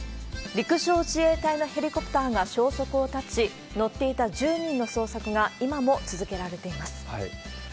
陸上自衛隊のヘリコプターが消息を絶ち、乗っていた１０人の捜索が今も続けられています。